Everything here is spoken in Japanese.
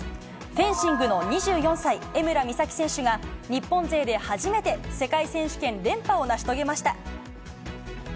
フェンシングの２４歳、江村美咲選手が、日本勢で初めて世界選手権連覇を成し遂げました。